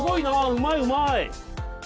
うまいうまい！